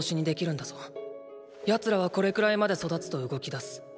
奴らはこれくらいまで育つと動きだす。